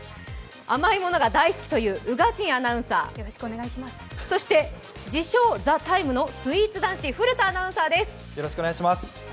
甘いものが大好きという宇賀神アナウンサー、そして、自称・「ＴＨＥＴＩＭＥ，」のスイーツ男子、古田アナウンサーです。